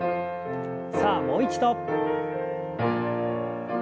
さあもう一度。